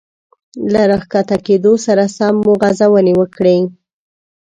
له را ښکته کېدو سره سم مو غځونې وکړې.